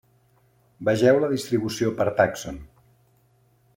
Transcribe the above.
Vegeu la distribució per tàxon.